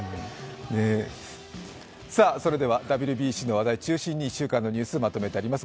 それではＷＢＣの話題中心に１週間のニュースまとめてあります。